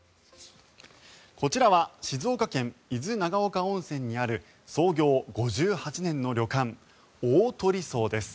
こちらは静岡県・伊豆長岡温泉にある創業５８年の旅館おおとり荘です。